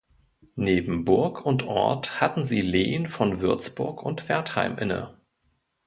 Neben Burg und Ort hatten sie Lehen von Würzburg und Wertheim inne.